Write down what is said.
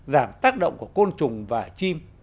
giảm tác động của côn trùng và chim